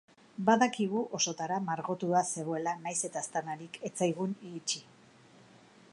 Badakigu osotara margotua zegoela nahiz eta aztarnarik ez zaigun iritsi.